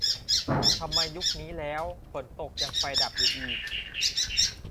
"ทำไมยุคนี้แล้ว ฝนตกแล้วยังไฟดับอยู่อีก"